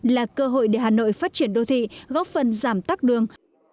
là cơ hội để hà nội phát triển đô thị góp phần giảm tắc đường